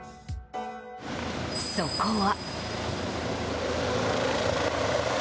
そこは。